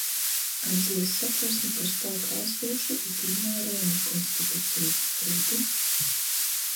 Atzeis Satversmi par spākā asūšu i pīmārojamu konstituceju, prūti,